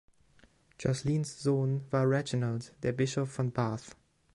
Joscelines Sohn war Reginald, der Bischof von Bath.